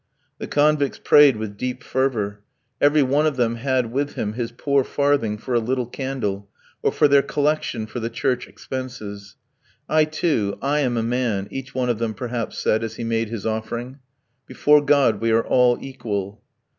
The convicts prayed with deep fervour; every one of them had with him his poor farthing for a little candle, or for their collection for the church expenses. "I too, I am a man," each one of them perhaps said, as he made his offering; "before God we are all equal."